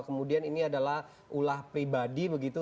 kemudian ini adalah ulah pribadi begitu